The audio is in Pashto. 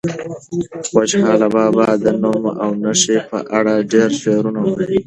خوشحال بابا د نوم او نښې په اړه ډېر شعرونه ویلي دي.